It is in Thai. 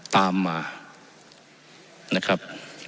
ตามมานะครับ